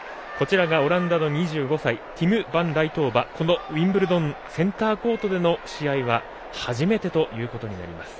オランダの２５歳ティム・バンライトーバウィンブルドンセンターコートでの試合は初めてということになります。